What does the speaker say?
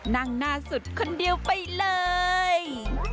นั่งหน้าสุดคนเดียวไปเลย